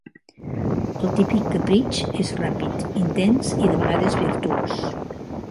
El típic capritx és ràpid, intens i, de vegades, virtuós.